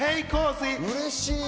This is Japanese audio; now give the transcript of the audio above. うれしい。